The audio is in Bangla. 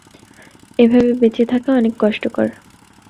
এভাবে বেঁচে থাকা অনেক কষ্টকর।